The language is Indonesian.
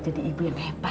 jadi ibu yang hebat